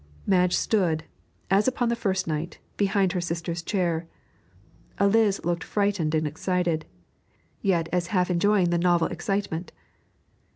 Madge stood, as upon the first night, behind her sister's chair. Eliz looked frightened and excited, yet as half enjoying the novel excitement.